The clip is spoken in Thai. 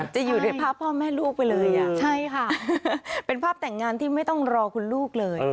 จะอยู่ในภาพพ่อแม่ลูกไปเลยอ่ะใช่ค่ะเป็นภาพแต่งงานที่ไม่ต้องรอคุณลูกเลย